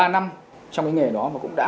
ba năm trong cái nghề đó và cũng đã